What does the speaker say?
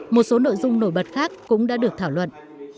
một số nội dung nổi bật khác cũng đã được thảo luận